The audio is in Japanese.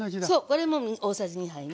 これも大さじ２杯ね。